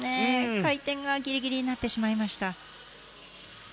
回転がギリギリになってしまいました。